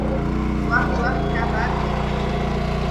واہ واہ کیا بات ہے